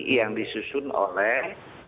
yang disusun oleh